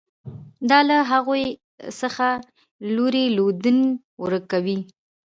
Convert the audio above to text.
دا له هغوی څخه لوری لودن ورک کوي.